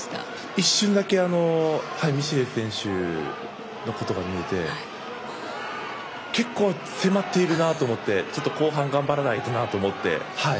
一瞬だけミシェル選手のことが見えて結構迫っているなと思って後半頑張らないとなと思って。